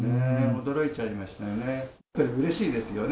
驚いちゃいましたよね。